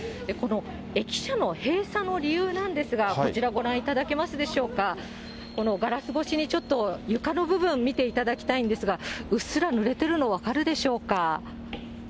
この駅舎の閉鎖の理由なんですが、こちらご覧いただけますでしょうか、このガラス越しにちょっと床の部分、見ていただきたいんですが、うっすらぬれているの分かりますでしょうか。